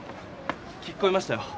聞きこみましたよ。